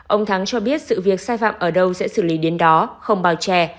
ông thắng cho biết sự việc sai phạm ở đâu sẽ xử lý đến đó không bào chè